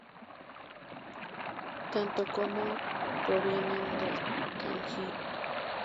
Tanto そ como ソ provienen del kanji 曾.